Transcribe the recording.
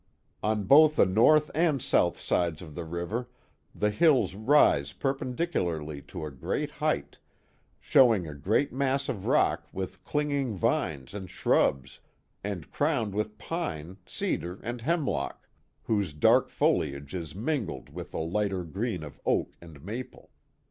On both the north and south sides of the river the hills rise perpendicularly to a great height, showing a great mass of rock with clinging vines and shrubs and crowned with pine, cedar, and hemlock, whose dark foliage is mingled with the lighter green of oak and maple.